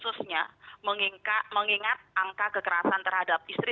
khususnya mengingat angka kekerasan terhadap istri